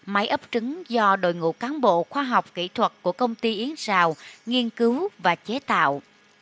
máy ấp trứng do đội ngũ cán bộ khoa học kỹ thuật của công ty yến xào nghiên cứu và chế tạo